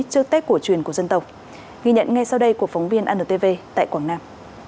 trước tết của truyền của dân tộc ghi nhận ngay sau đây của phóng viên ntv tại quảng nam